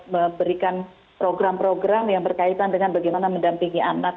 memberikan program program yang berkaitan dengan bagaimana mendampingi anak